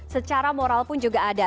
secara moral pun juga ada